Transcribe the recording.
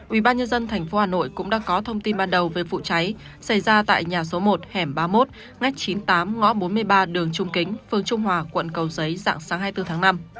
ubnd tp hà nội cũng đã có thông tin ban đầu về vụ cháy xảy ra tại nhà số một hẻm ba mươi một ngách chín mươi tám ngõ bốn mươi ba đường trung kính phường trung hòa quận cầu giấy dạng sáng hai mươi bốn tháng năm